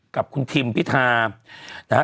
กับคุณทิมพิธานะฮะ